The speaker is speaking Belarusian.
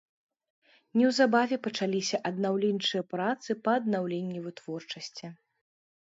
Неўзабаве пачаліся аднаўленчыя працы па аднаўленні вытворчасці.